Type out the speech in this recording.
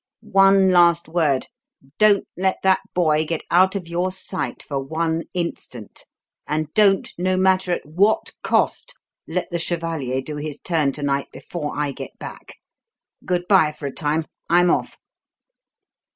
"One last word don't let that boy get out of your sight for one instant, and don't, no matter at what cost, let the chevalier do his turn to night before I get back. Good bye for a time. I'm off."